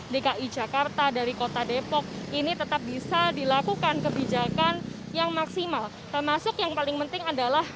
dki jakarta dari kota depok ini tetap bisa dilakukan kebijakan yang maksimal termasuk yang paling penting adalah